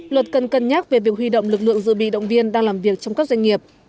luật cần cân nhắc về việc huy động lực lượng dự bị động viên đang làm việc trong các doanh nghiệp